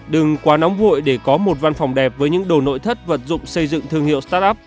đừng quá nóng vội để có một văn phòng đẹp với những đồ nội thất vật dụng xây dựng thương hiệu start up